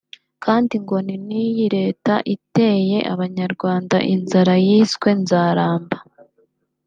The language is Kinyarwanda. kandi ngo ni n’iyi leta iteye abanyarwanda inzara yiswe Nzaramba